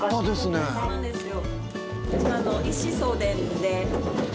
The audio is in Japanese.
そうなんですよ。